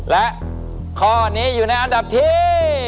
และข้อนี้อยู่ในอันดับที่